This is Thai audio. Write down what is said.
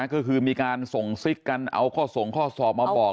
ก็คือมีการส่งซิกกันเอาข้อส่งข้อสอบมาบอก